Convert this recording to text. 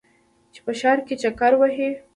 چې په ښار کې چکر وهې.